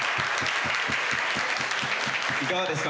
いかがですか？